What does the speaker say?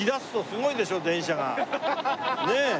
ねえ。